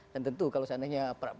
dan tentu kalau seandainya